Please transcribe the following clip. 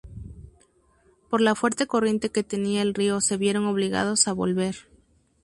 Por la fuerte corriente que tenía el río se vieron obligados a volver.